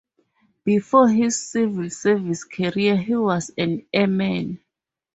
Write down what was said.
Before his civil service career, he was an airman.